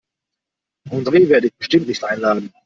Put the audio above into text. Andre werde ich bestimmt nicht einladen.